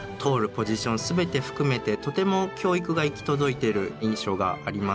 ポジション全て含めてとても教育が行き届いてる印象がありますね。